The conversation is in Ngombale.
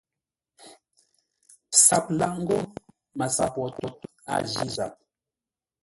SAP laʼ ńgó MASAP wo tó, a jí zap.